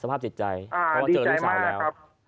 ตอนนี้ก็เจอหนึ่งสาวแล้ว